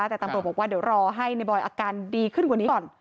แต่ตำรวจบอกว่าเดี๋ยวรอให้ในบอยอาการดีขึ้นกว่านี้ก่อน